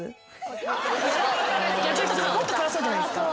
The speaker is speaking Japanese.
もっと辛そうじゃないですか？